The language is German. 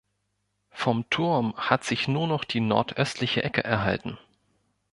Vom Turm hat sich nur noch die nordöstliche Ecke erhalten.